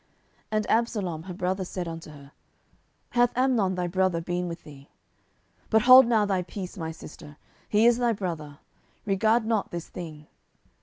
10:013:020 And Absalom her brother said unto her, Hath Amnon thy brother been with thee? but hold now thy peace, my sister: he is thy brother; regard not this thing.